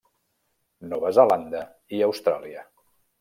Nova Zelanda i Austràlia.